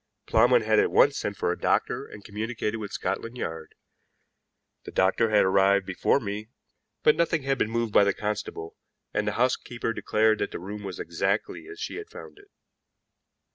Plowman had at once sent for a doctor and communicated with Scotland Yard. The doctor had arrived before me, but nothing had been moved by the constable, and the housekeeper declared that the room was exactly as she had found it.